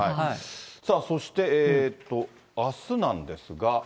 さあ、そして、あすなんですが。